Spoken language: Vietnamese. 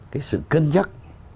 cái sự cân nhắc